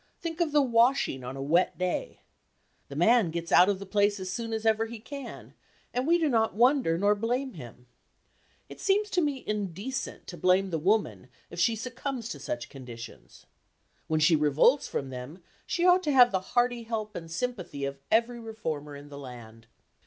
Think of the washing on a wet day! The man gets out of the place as soon as ever he can, and we do not wonder nor blame him. It seems to me indecent to blame the woman if she succumbs to such conditions. When she revolts from them, she ought to have the hearty help and sympathy of every reformer in the land.